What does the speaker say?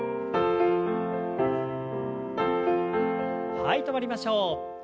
はい止まりましょう。